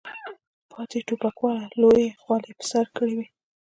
پاتې ټوپکوالو لویې خولۍ په سر کړې وې.